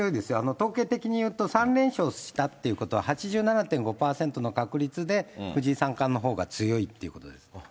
統計的にいうと、３連勝したということは、８７．５％の確率で、藤井三冠のほうが強いっていうことです。